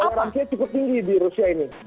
oh iya orang rusia cukup tinggi di rusia ini